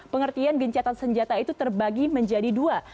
pengertian gencatan senjata itu terbagi menjadi dua